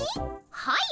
はい。